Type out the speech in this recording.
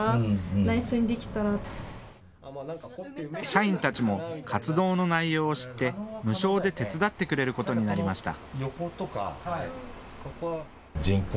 社員たちも活動の内容を知って無償で手伝ってくれることになりました。